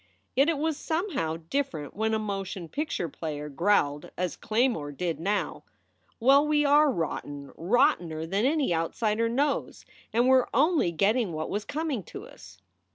Yet it was somehow different when a motion picture player growled, as Claymore did now, "Well, we are rotten rottener than any outsider knows and we re only getting what was coming to us."